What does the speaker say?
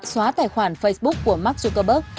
xóa tài khoản facebook của mark zuckerberg